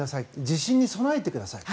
地震に備えてください。